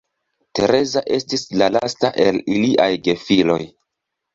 Tereza estis la lasta el iliaj gefiloj.